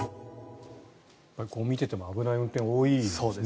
見てても危ない運転が多いですね。